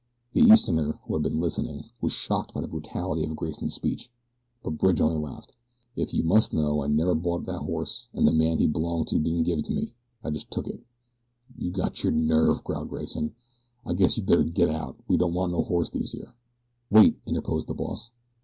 The Easterner, who had been a listener, was shocked by the brutality of Grayson's speech; but Bridge only laughed. "If you must know," he said, "I never bought that horse, an' the man he belonged to didn't give him to me. I just took him." "You got your nerve," growled Grayson. "I guess you better git out. We don't want no horse thieves here." "Wait," interposed the boss.